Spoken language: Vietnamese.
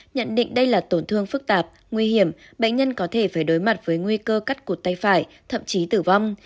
nhận định đây là tổn thương phức tạp nguy hiểm bệnh nhân có thể phải đối mặt với nguy cơ cắt cột tay phải thậm chí tử vong